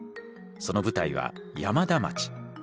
その舞台は山田町。